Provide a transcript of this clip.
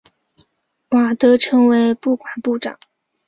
瓦德成为不管部长。